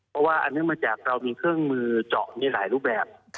เพราะว่าอันเนื่องมาจากเรามีเครื่องมือเจาะในหลายรูปแบบ